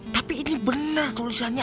tapi ini bener tulisannya